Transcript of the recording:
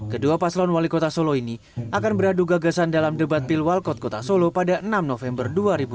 kedua paslon wali kota solo ini akan beradu gagasan dalam debat pilwalkot kota solo pada enam november dua ribu dua puluh